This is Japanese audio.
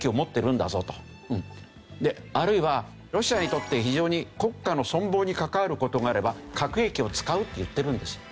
あるいはロシアにとって非常に国家の存亡に関わる事があれば核兵器を使うって言ってるんですよ。